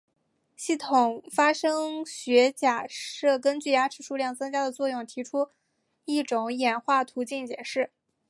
系统发生学假设根据牙齿数量增加的作用提出一种演化途径解释。